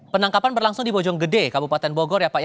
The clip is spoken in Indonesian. penangkapan berlangsung di bojong gede kabupaten bogor ya pak